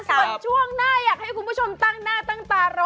ส่วนช่วงหน้าอยากให้คุณผู้ชมตั้งหน้าตั้งตารอ